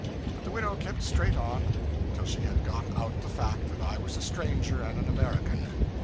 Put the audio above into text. But the widow kept straight on, till she had got out the fact that I was a stranger and an American.